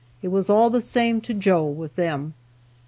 It was "all the same to Joe" with them.